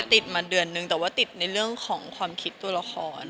ติดมาเดือนนึงแต่ว่าติดในเรื่องของความคิดตัวละคร